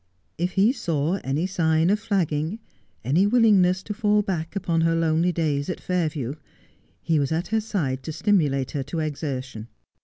If he saw any sign of flagging, any willingness to fall back upon her lonely days at Fairview, he was at her side to stimulate her to exertion.